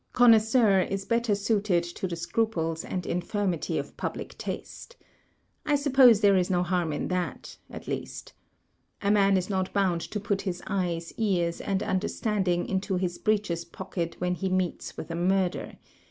Connoisseur is better suited to the scruples and infirmity of public taste. I suppose ^k.:^ . 226 THE TECHNIQUE OF THE MYSTERY STORY there is no harm in thai, at least. A man is not bound to put his eyes, ears, and understanding into his breeches pocket when he meets with a murder.